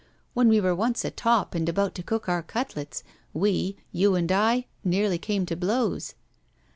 When we were once atop and about to cook our cutlets, we, you and I, nearly came to blows.